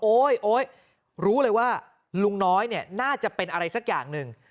โอ๊ยโอ๊ยรู้เลยว่าลุงน้อยเนี่ยน่าจะเป็นอะไรสักอย่างหนึ่ง